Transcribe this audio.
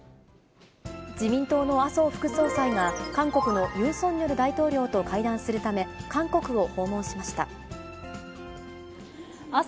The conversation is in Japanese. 自民党の麻生副総裁が、韓国のユン・ソンニョル大統領と会談するため、韓国を訪問しまし麻生